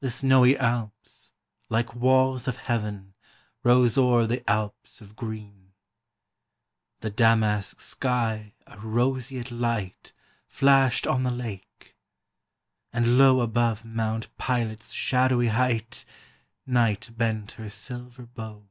The snowy Alps, like walls of heaven, Rose o'er the Alps of green ; The damask sky a roseate light Flashed on the Lake, and low Above Mt. Pilate's shadowy height Night bent her silver bow.